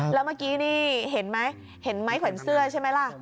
แล้วเมื่อกี้นี่เห็นไหมเห็นไหมขวัญเสื้อใช่ไหมล่ะ